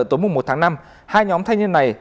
tối một tháng năm hai nhóm thanh niên này